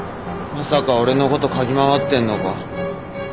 まさか俺のこと嗅ぎ回ってんのか？